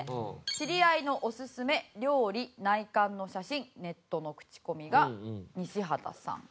知り合いのおすすめ料理・内観の写真ネットの口コミが西畑さん。